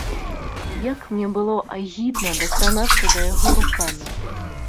Як мне было агідна дакранацца да яго рукамі.